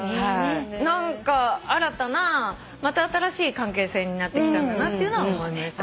何か新たなまた新しい関係性になってきたんだなっていうのは思いました。